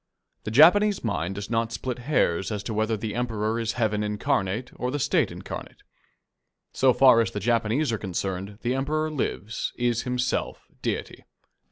The Japanese mind does not split hairs as to whether the Emperor is Heaven incarnate or the State incarnate. So far as the Japanese are concerned, the Emperor lives, is himself deity.